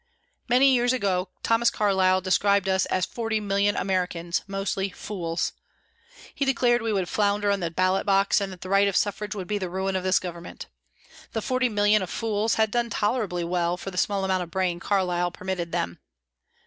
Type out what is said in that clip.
Many years ago Thomas Carlyle described us as "forty million Americans, mostly fools." He declared we would flounder on the ballot box, and that the right of suffrage would be the ruin of this Government. The "forty million of fools" had done tolerably well for the small amount of brain Carlyle permitted them.